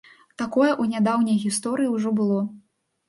Такое ў нядаўняй гісторыі ўжо было.